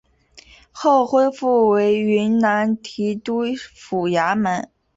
后恢复为云南提督府衙门。